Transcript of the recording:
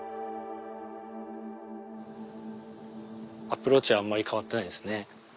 アプローチはあんまり変わってないですね。